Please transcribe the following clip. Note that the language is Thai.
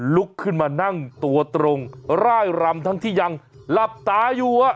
ลุกขึ้นมานั่งตัวตรงร่ายรำทั้งที่ยังหลับตาอยู่